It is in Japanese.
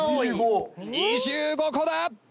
２５個だ！